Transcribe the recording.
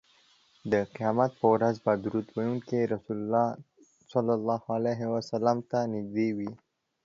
د قیامت په ورځ به درود ویونکی رسول الله ته نږدې وي